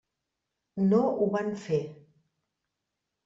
No ho van fer.